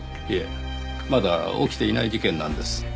いえまだ起きていない事件なんです。